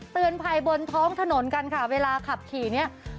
เตือนภัยบนท้องถนนกันค่ะเวลาขับขี่เนี่ย